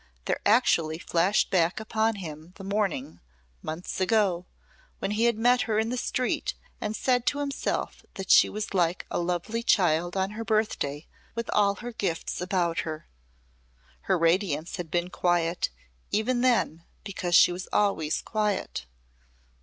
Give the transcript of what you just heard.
There actually flashed back upon him the morning, months ago, when he had met her in the street and said to himself that she was like a lovely child on her birthday with all her gifts about her. Her radiance had been quiet even then because she was always quiet.